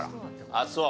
あっそう。